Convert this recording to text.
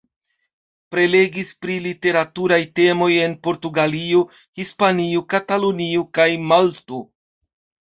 Prelegis pri literaturaj temoj en Portugalio, Hispanio, Katalunio kaj Malto.